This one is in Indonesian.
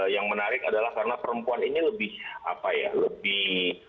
yang menarik adalah karena perempuan ini lebih apa ya lebih